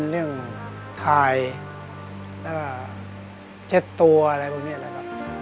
เรื่องทายเช็ดตัวอะไรพวกเนี่ยแหละครับ